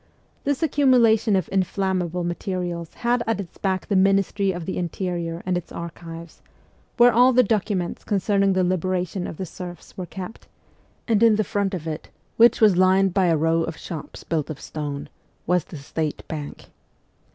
This accumulation of inflammable materials had at its back the Ministry of the Interior and its archives, where all the documents concerning the liberation of the serfs were kept ; and in the front of it, which was lined by a row of shops built of stone, SIBERIA 185 was the State Bank.